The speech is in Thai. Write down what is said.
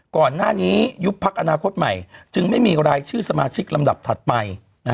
ก่อนหน้านี้ยุบพักอนาคตใหม่จึงไม่มีรายชื่อสมาชิกลำดับถัดไป